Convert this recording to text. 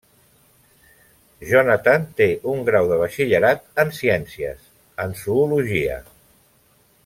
Jonathan té un grau de Batxillerat en ciències, en Zoologia.